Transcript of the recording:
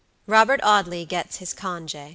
ROBERT AUDLEY GETS HIS CONGE.